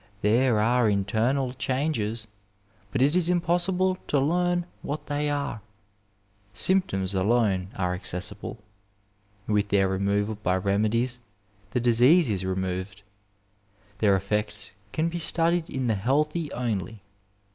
There are internal changes, but it is impossible to learn what they are ; symptoms alone are accessible ; with their removal by remedies the disease is removed. Their efEects can be studied in the healthy only.